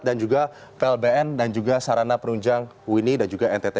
dan juga plbn dan juga sarana perunjang wini dan juga ntt